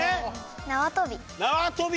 縄跳び。